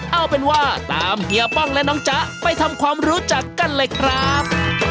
เอาเป็นว่าตามเฮียป้องและน้องจ๊ะไปทำความรู้จักกันเลยครับ